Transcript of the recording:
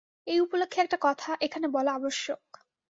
এই উপলক্ষে একটা কথা এখানে বলা আবশ্যক।